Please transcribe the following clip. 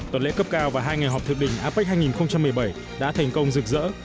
tuần lễ cấp cao và hai ngày họp thượng đỉnh apec hai nghìn một mươi bảy đã thành công rực rỡ